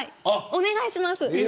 お願いします。